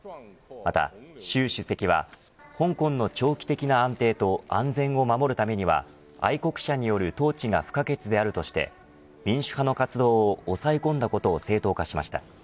また習主席は香港の長期的な安定と安全を守るためには愛国者による統治が不可欠であるとして民主派の活動を抑え込んだことを正当化しました。